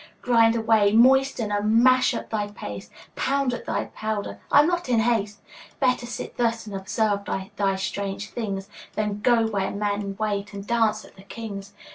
Grind away, moisten and mash up thy paste, Pound at thy powder, I am not in haste! 10 Better sit thus and observe thy strange things, Than go where men wait me, and dance at the King's.